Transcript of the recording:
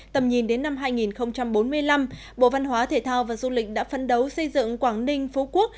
tầm nhìn đến năm hai nghìn bốn mươi năm bộ văn hóa thể thao và du lịch đã phấn đấu xây dựng quảng ninh phú quốc